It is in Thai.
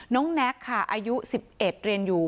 น้องแน็กค่ะอายุ๑๑เดี๋ยวนี้เรียนอยู่